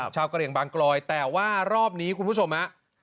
กระเหลี่ยงบางกลอยแต่ว่ารอบนี้คุณผู้ชมฮะ